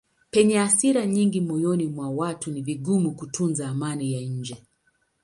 Penye hasira nyingi moyoni mwa watu ni vigumu kutunza amani ya nje.